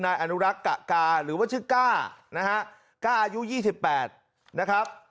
นายอนุรักษ์กะกาหรือว่าชื่อก้านะฮะก้าอายุ๒๘นะครับ